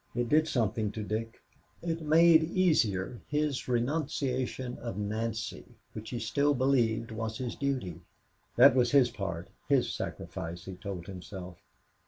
It did something to Dick. It made easier his renunciation of Nancy which he still believed was his duty. That was his part, his sacrifice, he told himself.